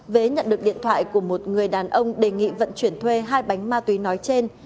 vé nhận được điện thoại của một người đàn ông đề nghị vận chuyển thuê hai bánh ma túy nói trên